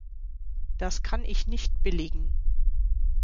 Das kann ich nicht billigen.